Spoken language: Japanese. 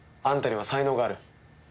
あんたには才能がある。